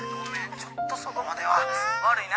ちょっとそこまでは悪いな